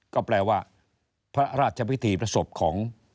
ก็แปลว่าพระราชพิธีประสบของ